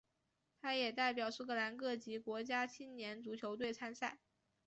他也代表苏格兰各级国家青年足球队参赛。